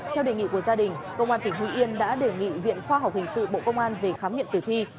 theo đề nghị của gia đình công an tỉnh hưng yên đã đề nghị viện khoa học hình sự bộ công an về khám nghiệm tử thi